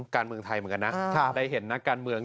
การเมืองไทยเหมือนกันนะได้เห็นนักการเมือง